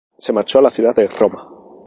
Se marchó a la ciudad de Roma.